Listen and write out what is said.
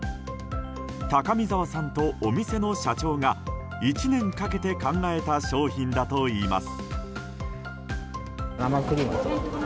高見澤さんとお店の社長が１年かけて考えた商品だといいます。